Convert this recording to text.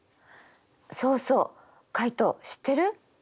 そうそうカイト知ってる？